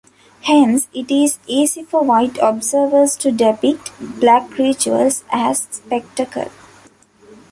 Hence it is easy for white observers to depict black rituals as spectacle.